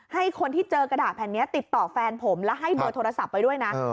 ให้คนที่เจอกระดาษแผ่นนี้ติดต่อแฟนผมและให้เบอร์โทรศัพท์ไปด้วยนะ